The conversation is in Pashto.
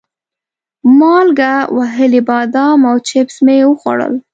مالګه وهلي بادام او چپس مې وخوړل.